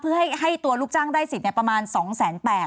เพื่อให้ตัวลูกจ้างได้สิทธิ์ประมาณ๒๘๐๐